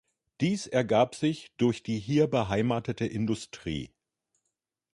Dies ergab sich durch die hier beheimatete Industrie.